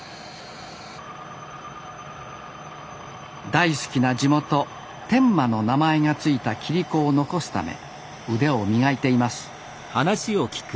大好きな地元天満の名前が付いた切子を残すため腕を磨いています